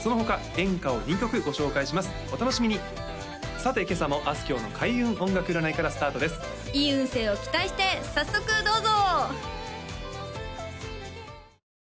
さて今朝もあすきょうの開運音楽占いからスタートですいい運勢を期待して早速どうぞ！